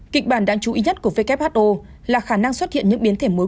kịch bản đáng chú ý nhất của who là khả năng xuất hiện những biến thể mới